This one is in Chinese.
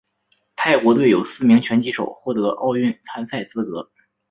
泰国队有四名拳击手获得奥运参赛资格。